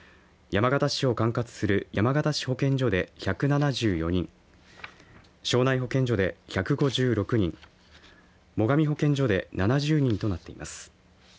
山形市を管轄する山形市保健所で１７４人庄内保健所で１５６人最上保健所で７０人となっています。